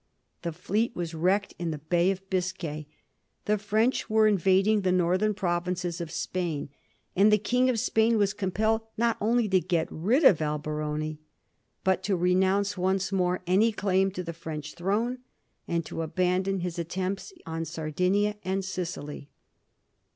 The fleet was wrecked in the Bay of Biscay. The French were invading the northern provinces of Spain, and the King of Spain was compelled not only to get rid of Alberom*, but to renounce once more any claim to the French throne, and to abandon his attempts on Sardinia and Sicily.